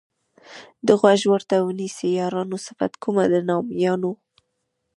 که غوږ ورته ونیسئ یارانو صفت کومه د نامیانو.